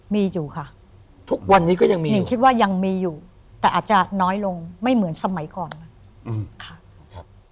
มีอยู่ค่ะนิ้งคิดว่ายังมีอยู่แต่อาจจะน้อยลงไม่เหมือนสมัยก่อนนะครับ